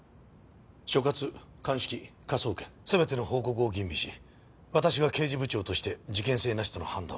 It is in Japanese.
所轄鑑識科捜研全ての報告を吟味し私が刑事部長として事件性なしとの判断を下しました。